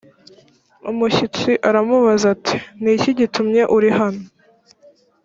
umushyitsi aramubaza ati ni iki gitumye uri hano